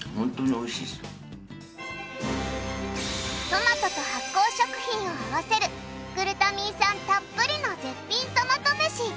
トマトと発酵食品を合わせるグルタミン酸たっぷりの絶品トマトめし。